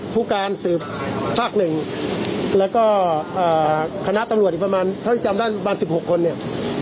ผู้การสืบภาค๑แล้วก็คณะตำรวจอีกประมาณเท่าที่จำได้ประมาณ๑๖คนเนี่ย